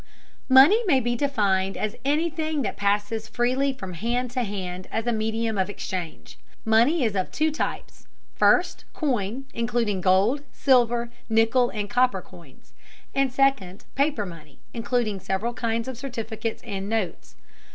Money may be defined as anything that passes freely from hand to hand as a medium of exchange. Money is of two types: first, coin, including gold, silver, nickel, and copper coins; and second, paper money, including several kinds of certificates and notes.